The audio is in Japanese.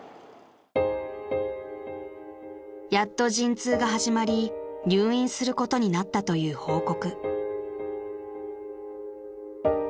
［やっと陣痛が始まり入院することになったという報告］